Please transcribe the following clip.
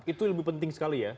itu lebih penting sekali ya